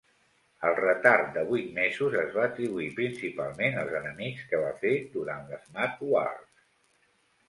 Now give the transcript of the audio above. El retard de vuit mesos es va atribuir principalment als enemics que va fer durant les Math Wars.